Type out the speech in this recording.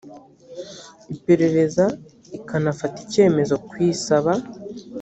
iperereza ikanafata icyemezo ku isaba